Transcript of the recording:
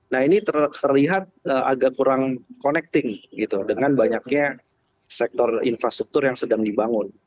nah ini terlihat agak kurang connecting gitu dengan banyaknya sektor infrastruktur yang sedang dibangun